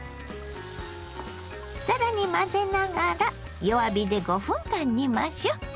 更に混ぜながら弱火で５分間煮ましょう。